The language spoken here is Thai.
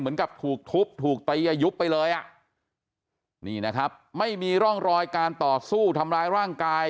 เหมือนกับถูกทุบถูกตียุบไปเลยอ่ะนี่นะครับไม่มีร่องรอยการต่อสู้ทำร้ายร่างกาย